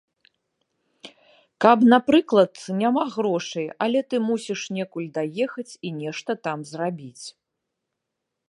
Каб, напрыклад, няма грошай, але ты мусіш некуль даехаць і нешта там зрабіць.